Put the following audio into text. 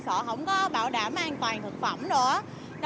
sợ không có bảo đảm an toàn thực phẩm rồi đó